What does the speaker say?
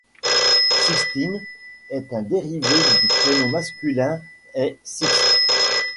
Sixtine est un dérivé du prénom masculin est Sixte.